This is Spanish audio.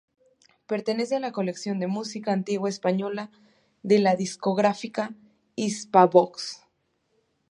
Pertenece a la Colección de Música Antigua Española de la discográfica Hispavox.